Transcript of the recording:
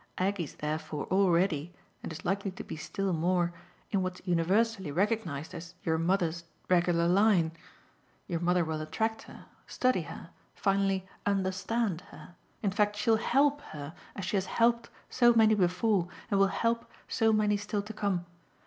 Aggie's therefore already, and is likely to be still more, in what's universally recognised as your mother's regular line. Your mother will attract her, study her, finally 'understand' her. In fact she'll 'help' her as she has 'helped' so many before and will 'help' so many still to come.